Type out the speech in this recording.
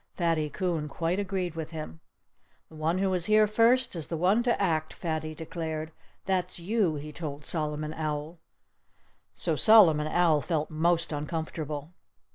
Fatty Coon quite agreed with him. "The one who was here first is the one to act!" Fatty declared. "That's you!" he told Solomon Owl. So Solomon Owl felt most uncomfortable.